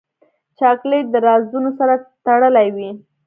چاکلېټ له رازونو سره تړلی وي.